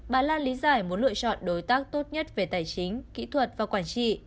bà lan lý giải muốn lựa chọn đối tác tốt nhất về tài chính kỹ thuật và quản trị